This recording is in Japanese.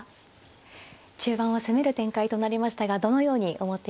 中盤は攻める展開となりましたがどのように思っていらっしゃいましたか。